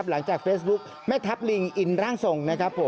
หลังจากเฟซบุ๊กแม่ทัพลิงอินร่างส่ง